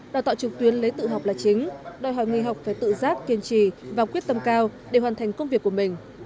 đào tạo trực tuyến lấy tự học là chính đòi hỏi nghề học phải tự giác kiên trì và quyết tâm cao để hoàn thành công việc của mình